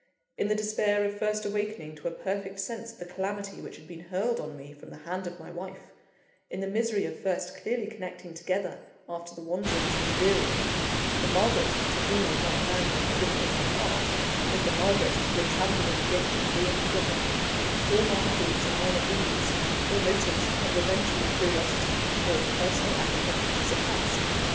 In the despair of first awakening to a perfect sense of the calamity which had been hurled on me from the hand of my wife in the misery of first clearly connecting together, after the wanderings of delirium, the Margaret to whom with my hand I had given all my heart, with the Margaret who had trampled on the gift and ruined the giver all minor thoughts and minor feelings, all motives of revengeful curiosity or of personal apprehension were suppressed.